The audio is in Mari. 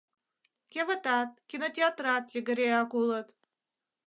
Кевытат, кинотеатрат йыгыреак улыт.